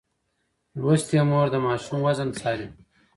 لوستې مور د ماشوم وزن څاري.